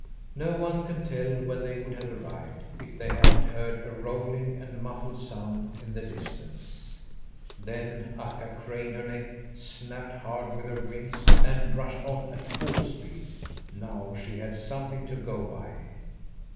No one can tell when they would have arrived, if they hadn't heard a rolling and muffled sound in the distance. Then Akka craned her neck, snapped hard with her wings, and rushed on at full speed. Now she had something to go by.